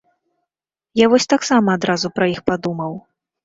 Я вось таксама адразу пра іх падумаў.